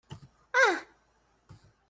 啊～